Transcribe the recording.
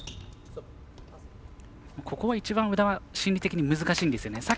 ここは一番宇田は心理的に難しいんですよね。